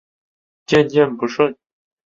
渐渐不顺